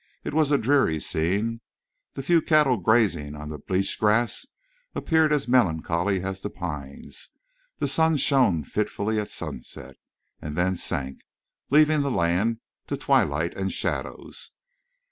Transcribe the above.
It was a dreary scene. The few cattle grazing on the bleached grass appeared as melancholy as the pines. The sun shone fitfully at sunset, and then sank, leaving the land to twilight and shadows.